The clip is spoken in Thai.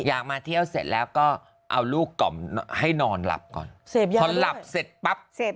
อยากมาเที่ยวเสร็จแล้วก็เอาลูกกล่อมให้นอนหลับก่อนถ้าหลับเสร็จปั๊บ